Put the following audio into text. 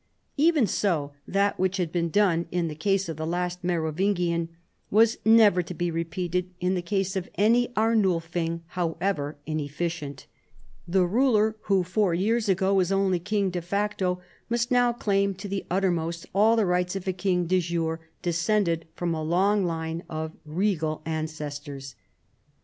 Even so : that which had been done in the case of the last Mero vingian was never to be repeated in the case of any PIPPIN, KING OF THE FRANKS, 95 Arnulfing however inefRcient. The rnler who four years ago was only king de facto must now cLiim to the uttermost all the rights of a king de jure de scended from a long line of regal ancestors.